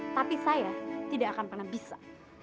tapi saya tidak akan pernah bisa